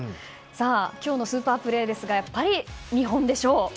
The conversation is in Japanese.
今日のスーパープレーですがやっぱり日本でしょう。